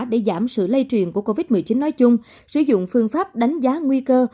để giảm sự lây truyền của covid một mươi chín nói chung sử dụng phương pháp đánh giá nguy cơ